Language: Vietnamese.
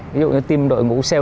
ví dụ như team đội ngũ sales của bạn